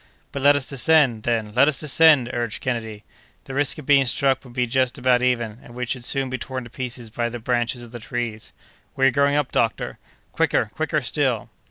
"But let us descend, then! let us descend!" urged Kennedy. "The risk of being struck would be just about even, and we should soon be torn to pieces by the branches of the trees!" "We are going up, doctor!" "Quicker, quicker still!"